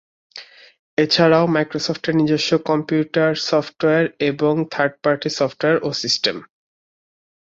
এছাড়াও মাইক্রোসফটের নিজস্ব কম্পিউটার সফটওয়্যার এবং থার্ড পার্টি সফটওয়্যার ও সিস্টেম।